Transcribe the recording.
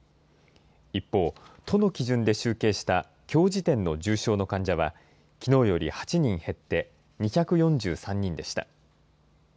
一方、都の基準で集計した、きょう時点の重症の患者は、きのうより８人減って、２４３人でした。